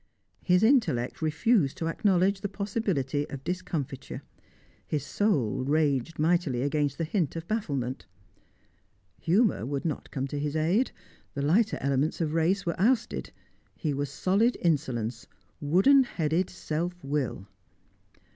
His intellect refused to acknowledge the possibility of discomfiture; his soul raged mightily against the hint of bafflement. Humour would not come to his aid; the lighter elements of race were ousted; he was solid insolence, wooden headed self will.